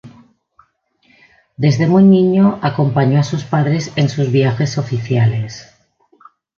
Desde muy niño, acompañó a su padre en sus viajes oficiales.